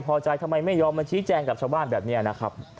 พอใจทำไมไม่ยอมมาชี้แจงกับชาวบ้านแบบนี้นะครับ